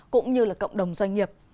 cũng như là cộng đồng doanh nghiệp